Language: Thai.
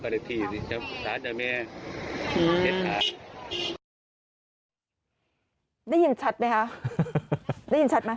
ได้ยินชัดไหมคะได้ยินชัดไหมชัดอยู่